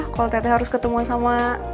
kalau tete harus ketemu sama